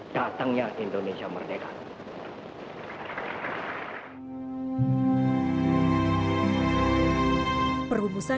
datangnya indonesia merdeka